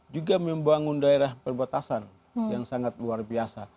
juga membangun daerah perbatasan yang sangat luar biasa